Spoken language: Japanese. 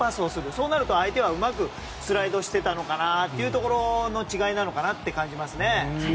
そうなると相手はうまくスライドしていたのかなというところの違いなのかなと感じますね。